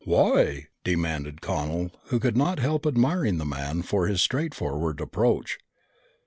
"Why?" demanded Connel, who could not help admiring the man for his straightforward approach.